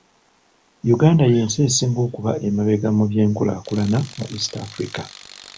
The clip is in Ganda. "Uganda y'ensi esinga okuba emabega mu by'enkulaakulana mu East Africa.